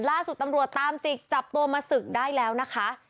ล่าสุดตำรวจตามจิกจับตัวมาศึกได้แล้วนะคะ